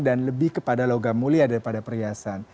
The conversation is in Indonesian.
dan lebih kepada logam mulia daripada perhiasan